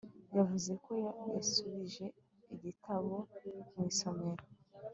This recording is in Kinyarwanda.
Yavuze ko yasubije igitabo mu isomero